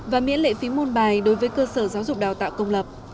và miễn lệ phí môn bài đối với cơ sở giáo dục đào tạo công lập